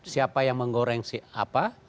siapa yang menggoreng apa